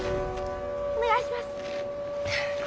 お願いします。